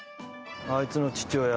あいつの父親